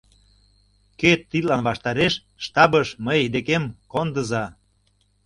Кӧ тидлан ваштареш — штабыш мый декем кондыза...